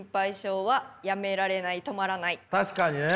確かにね。